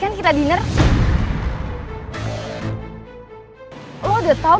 sang pangeran lupa ya sukses